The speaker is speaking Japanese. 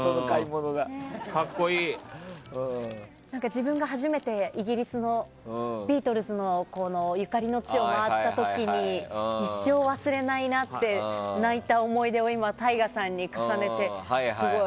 自分が初めてイギリスのビートルズのゆかりの地を回った時に一生忘れないなって泣いた思い出を今、ＴＡＩＧＡさんに重ねてすごい